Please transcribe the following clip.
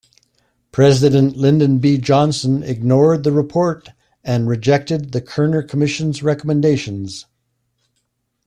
President Lyndon B. Johnson ignored the report and rejected the Kerner Commission's recommendations.